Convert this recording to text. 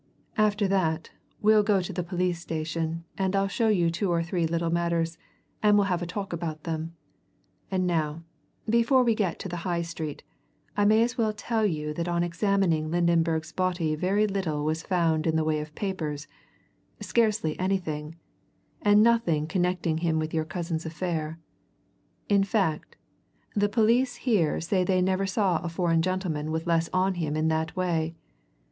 After that we'll go to the police station and I'll show you two or three little matters, and we'll have a talk about them. And now, before we get to the High Street, I may as well tell you that on examining Lydenberg's body very little was found in the way of papers scarcely anything, and nothing connecting him with your cousin's affair in fact, the police here say they never saw a foreign gentleman with less on him in that way.